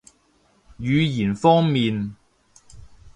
語言方面